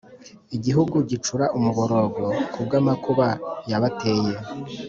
Igihugu gicura umuborogo kubwamakuba yabateye